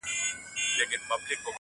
ه یاره ولي چوپ یې مخکي داسي نه وې,